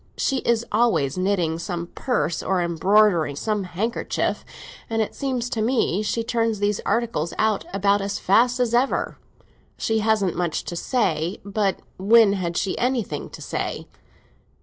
She is always knitting some purse or embroidering some handkerchief, and it seems to me she turns these articles out about as fast as ever. She hasn't much to say; but when had she anything to say?